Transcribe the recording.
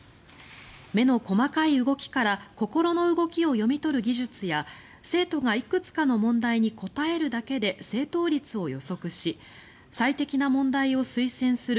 目の細かい動きから心の動きを読み取る技術や生徒がいくつかの問題に答えるだけで正答率を予測し最適な問題を推薦する